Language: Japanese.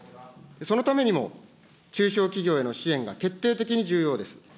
そのためにも、中小企業への支援が決定的に重要です。